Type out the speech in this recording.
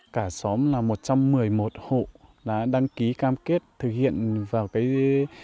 cả xóm là một trăm một mươi một hộ đã đăng ký cam kết thực hiện vào cái